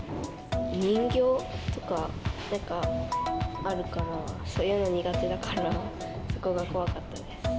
人形とか、なんかあるから、そういうの苦手だから、そこが怖かったです。